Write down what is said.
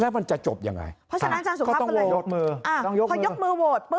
แล้วมันจะจบยังไงเพราะฉะนั้นอาจารย์สุขับก็เลยพอยกมือพอยกมือโวด